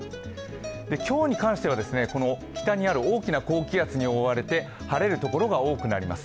今日に関しては北にある大きな高気圧に覆われて、晴れるところが多くなります。